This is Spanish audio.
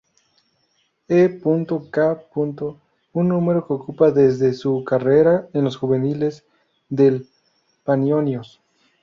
E. K., un número que ocupa desde su carrera en la juveniles del Panionios.